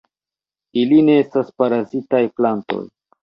Ili ne estas parazitaj plantoj.